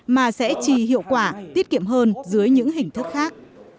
mà sẽ chi hiệu quả tiết kiệm hơn dưới những hình thức khác